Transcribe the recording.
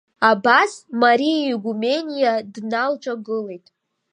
Абас Мари аигумениа дналҿагылеит.